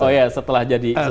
oh iya setelah jadi